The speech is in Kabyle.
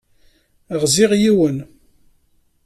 Ɣziɣ yiwen.